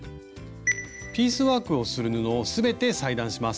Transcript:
ピースワークをする布を全て裁断します。